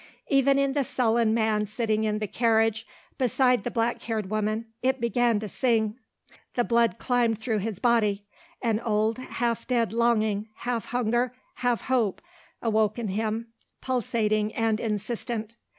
Even in the sullen man sitting in the carriage beside the black haired woman it began to sing. The blood climbed through his body; an old half dead longing, half hunger, half hope awoke in him, pulsating and insistent.